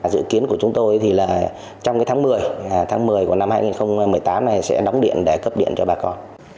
dự kiến của chúng tôi thì là trong tháng một mươi tháng một mươi của năm hai nghìn một mươi tám này sẽ đóng điện để cấp điện cho bà con